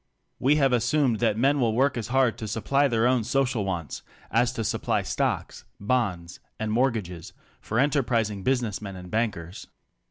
We have assumed that men vnll work as hard to supply their own social wants as to supply stocks bonds and mortgages for enterprising busi ness men and bankers.